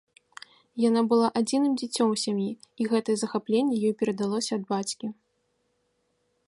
Яна была адзіным дзіцём у сям'і, і гэтае захапленне ёй перадалося ад бацькі.